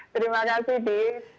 terima kasih di